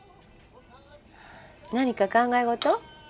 何か考え事？